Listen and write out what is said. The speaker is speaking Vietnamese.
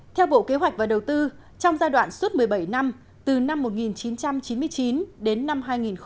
theo bộ kế hoạch và đầu tư trong giai đoạn suốt một mươi bảy năm từ năm một nghìn chín trăm chín mươi chín đến năm hai nghìn một mươi tám